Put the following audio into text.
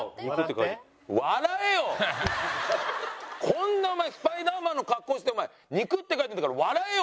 こんなお前スパイダーマンの格好して「肉」って書いてるんだから笑えよ！